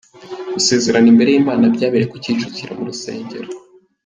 Gusezerana imbere y’Imana byabereye ku Kicukiro mu rusengero